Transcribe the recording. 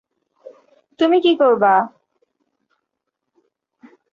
তুমি কী করবে?